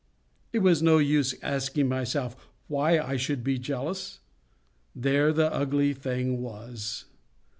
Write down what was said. It was no use asking myself why I should be jealous: there the ugly thing was.